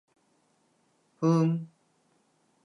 ふーん